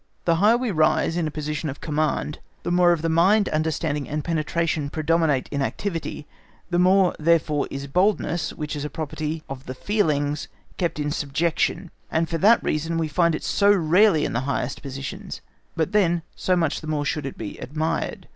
The higher we rise in a position of command, the more of the mind, understanding, and penetration predominate in activity, the more therefore is boldness, which is a property of the feelings, kept in subjection, and for that reason we find it so rarely in the highest positions, but then, so much the more should it be admired.